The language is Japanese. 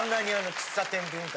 喫茶店文化。